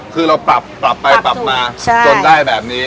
คือเราปรับไปปรับมาจนได้แบบนี้